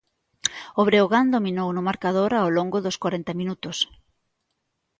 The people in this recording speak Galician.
O Breogán dominou no marcador ao longo dos corenta minutos.